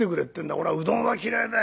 『俺はうどんは嫌いだよ。